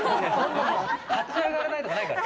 立ち上がれないとかないから。